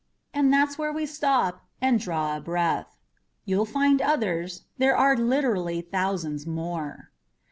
And that's where we stop and draw breath. You'll find others there are literally thousands more!